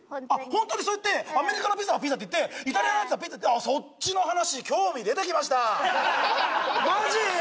ホントにそうやってアメリカのピザはピザって言ってイタリアのやつはピッツァってそっちの話興味出てきましたマジ？